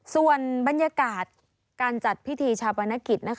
ส่วนบรรยากาศการจัดพิธีชาปนกิจ